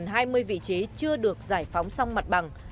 gần hai mươi vị trí chưa được giải phóng xong mặt bằng